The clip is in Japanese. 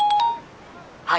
「はい。